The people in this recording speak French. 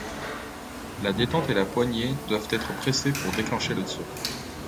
La détente et la poignée doivent être pressées pour déclencher le tir.